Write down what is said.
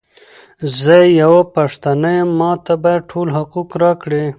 زۀ یوه پښتانه یم، ماته باید ټول حقوق راکړی!